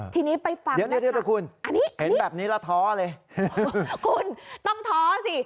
ทีนี้ไปฟังเดี๋ยวคุณเห็นแบบนี้แล้วท้อเลยคุณต้องท้อสิ